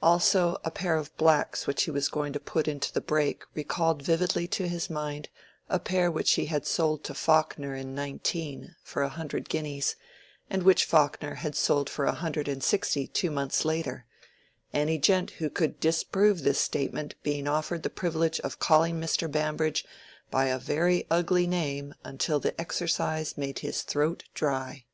Also, a pair of blacks which he was going to put into the break recalled vividly to his mind a pair which he had sold to Faulkner in '19, for a hundred guineas, and which Faulkner had sold for a hundred and sixty two months later—any gent who could disprove this statement being offered the privilege of calling Mr. Bambridge by a very ugly name until the exercise made his throat dry.